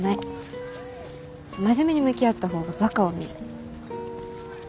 真面目に向き合った方がバカを見る。